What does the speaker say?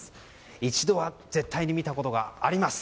一度は絶対に見たことがあります。